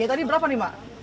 ini berapa nih mak